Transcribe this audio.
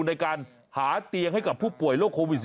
ในการหาเตียงให้กับผู้ป่วยโควิด๑๙